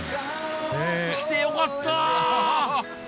来てよかった！